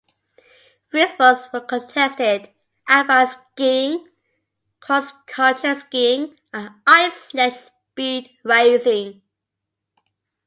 Three sports were contested: alpine skiing, cross-country skiing, and ice sledge speed racing.